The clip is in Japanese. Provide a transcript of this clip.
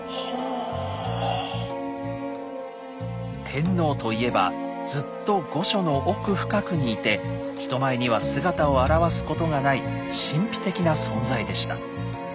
天皇といえばずっと御所の奥深くにいて人前には姿を現すことがない神秘的な存在でした。